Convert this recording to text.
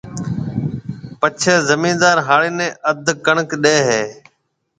پڇيَ زميندار هاڙِي نَي اڌ ڪڻڪ ڏيَ هيَ۔